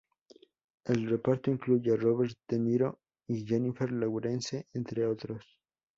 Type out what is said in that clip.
El reparto incluye a Robert De Niro y Jennifer Lawrence entre otros.